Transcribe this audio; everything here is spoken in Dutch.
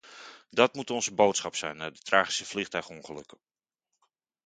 Dat moet onze boodschap zijn na de tragische vliegtuigongelukken.